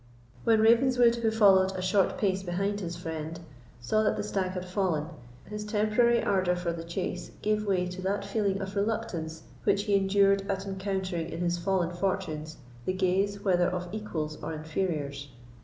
When Ravenswood, who followed a short pace behind his friend, saw that the stag had fallen, his temporary ardour for the chase gave way to that feeling of reluctance which he endured at encountering in his fallen fortunes the gaze whether of equals or inferiors.